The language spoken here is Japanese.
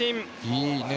いいね。